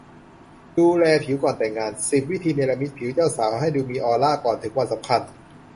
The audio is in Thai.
ดูแลผิวก่อนแต่งงาน สิบ วิธี เนรมิตผิวเจ้าสาวให้ดูมีออร่าก่อนถึงวันสำคัญ